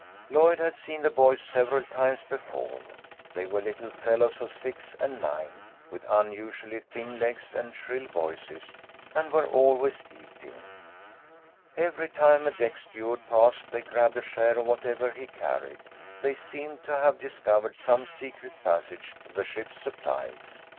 Lloyd had seen the boys several times before. They were little fellows of six and nine, with unusually thin legs and shrill voices, and were always eating. Every time a deck steward passed, they grabbed a share of whatever he carried. They seemed to have discovered some secret passage to the ship's supplies.